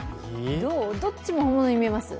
どっちも本物に見えます。